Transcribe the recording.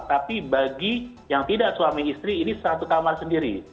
tapi bagi yang tidak suami istri ini satu kamar sendiri